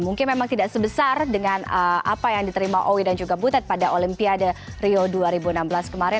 mungkin memang tidak sebesar dengan apa yang diterima owi dan juga butet pada olimpiade rio dua ribu enam belas kemarin